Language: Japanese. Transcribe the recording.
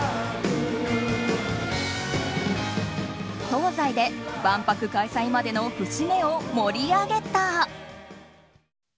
東西で万博開催までの節目を盛り上げた。